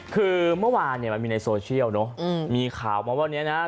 คือเมื่อวานเนี่ยมันมีในโซเชียลเนอะมีข่าวมาว่าเนี่ยนะ